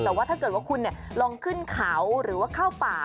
แต่ว่าถ้าเกิดว่าคุณลองขึ้นเขาหรือว่าเข้าป่า